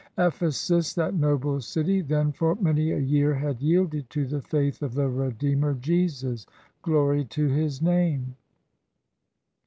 Ephesus, that noble city, Then, for many a year, had yielded To the faith of the Redeemer, Jesus. (Glory to his name!)